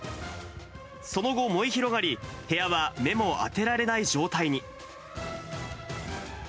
その後、燃え広がり、部屋は目も当てられない状態に。